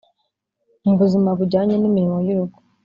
mu buzima bujyanye n’imirimo y’urugo